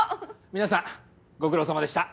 皆さんご苦労さまでした。